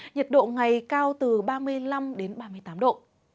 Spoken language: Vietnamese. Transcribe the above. nhiệt độ ngày cao từ ba mươi năm đến ba mươi tám độ